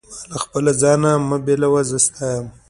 ما له خپل ځانه مه بېلوه، زه ستا یم.